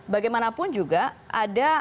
bagaimanapun juga ada